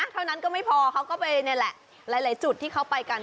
เท่านั้นก็ไม่พอเขาก็ไปนี่แหละหลายจุดที่เขาไปกัน